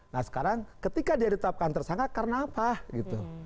nah sekarang ketika dia ditetapkan tersangka karena apa gitu